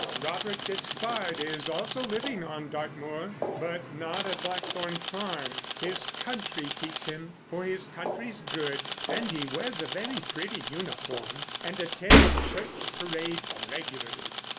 Robert Despard is also living on Dartmoor—but not at Blackthorn Farm. His country keeps him—for his country's good. And he wears a very pretty uniform and attends church parade regularly.